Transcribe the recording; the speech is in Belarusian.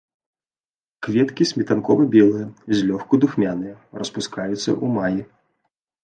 Кветкі сметанкова-белыя, злёгку духмяныя, распускаюцца ў маі.